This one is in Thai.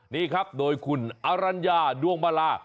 นี่ครับโดยคุณอรัญญาดวงมาลา